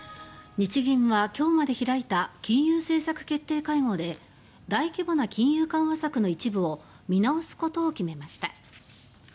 日銀は、今日まで開いた金融政策決定会合で大規模な金融緩和策の一部を見直すことを決めました。